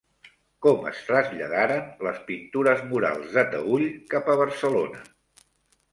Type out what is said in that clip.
Com es traslladaren les pintures murals de Taüll cap a Barcelona?